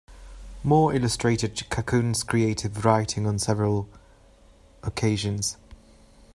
Moore illustrated Cahun's creative writing on several occasions.